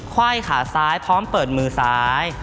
ไหว้ขาซ้ายพร้อมเปิดมือซ้าย